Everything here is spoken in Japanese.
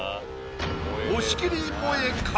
押切もえか？